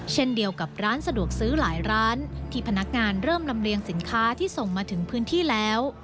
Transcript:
เช่นเดียวกับร้านสะดวกซื้อหลายร้านที่พนักงานเริ่มลำเลียงสินค้าที่ส่งมาถึงพื้นที่แล้ว